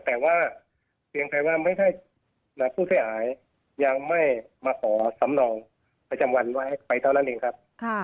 แต่ว่าเพียงภายว่าผู้เสียหายยังไม่มาขอสำรองประจำวันไว้ไปเท่านั้นเองครับ